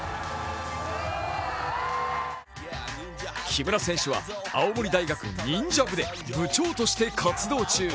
木村選手は青森大学忍者部で部長として活動中。